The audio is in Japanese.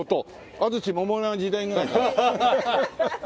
安土桃山時代ぐらいから。